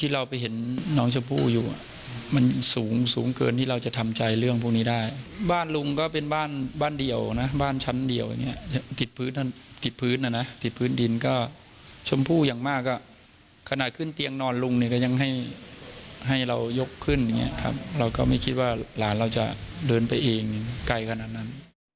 เราก็ไม่คิดว่าหลานเราจะเดินไปเองใกล้ขนาดนั้น